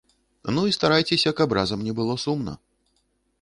Ну і старайцеся, каб разам не было сумна.